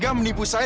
kayaknya umur saya